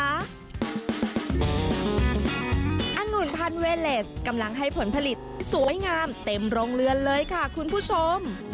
อังุ่นพันเวเลสกำลังให้ผลผลิตสวยงามเต็มโรงเรือนเลยค่ะคุณผู้ชม